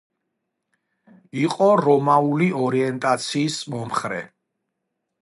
იყო რომაული ორიენტაციის მომხრე.